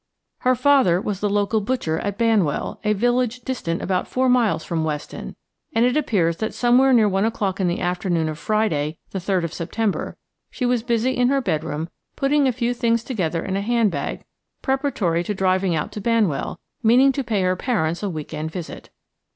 Her father was the local butcher at Banwell–a village distant about four miles from Weston–and it appears that somewhere near one o'clock in the afternoon of Friday, the 3rd of September, she was busy in her bedroom putting a few things together in a handbag, preparatory to driving out to Banwell, meaning to pay her parents a week end visit.